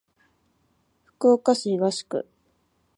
福岡市東区